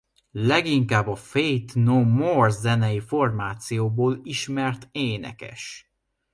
Leginkább a Faith No More zenei formációból ismert énekes.